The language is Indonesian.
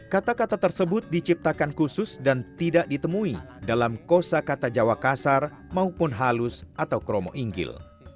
kata kata tersebut diciptakan khusus dan tidak ditemui dalam kosa kata jawa kasar maupun halus atau kromo inggil